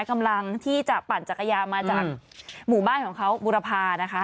กำลังที่จะปั่นจักรยานมาจากหมู่บ้านของเขาบุรพานะคะ